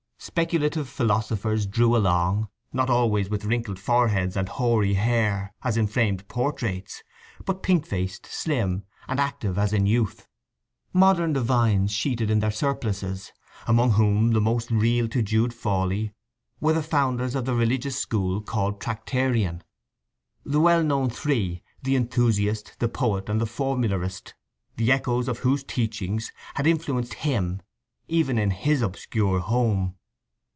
Speculative philosophers drew along, not always with wrinkled foreheads and hoary hair as in framed portraits, but pink faced, slim, and active as in youth; modern divines sheeted in their surplices, among whom the most real to Jude Fawley were the founders of the religious school called Tractarian; the well known three, the enthusiast, the poet, and the formularist, the echoes of whose teachings had influenced him even in his obscure home.